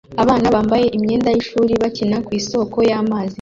Abana bambaye imyenda y'ishuri bakina ku isoko y'amazi